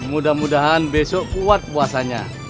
mudah mudahan besok kuat puasanya